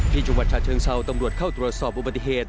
ที่จังหวัดชาเชิงเซาตำรวจเข้าตรวจสอบอุบัติเหตุ